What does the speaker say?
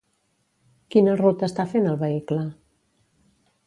Quina ruta està fent el vehicle?